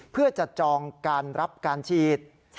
เพื่อจะจองการรับการฉีด